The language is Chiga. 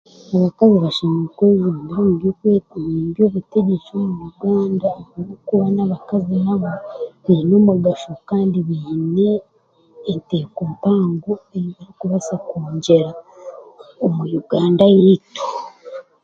Abakazi bashemereire kwejumbira omu by'obutegyeki omu Uganda ahabwokuba n'abakazi nabo baine omugasho kandi biine enteeko mpango ei barikubaasa kwongyera omu Uganda yaitu.